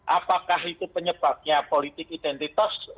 apakah itu penyebabnya politik identitas